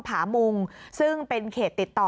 ผามุงซึ่งเป็นเขตติดต่อ